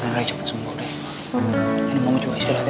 yaudah sana istirahat